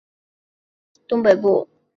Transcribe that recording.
在今江苏省东北部。